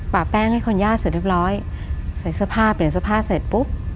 แป้งให้คนย่าเสร็จเรียบร้อยใส่เสื้อผ้าเปลี่ยนเสื้อผ้าเสร็จปุ๊บ